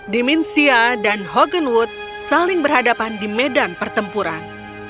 dimensia dan hogan wood saling berhadapan di medan pertempuran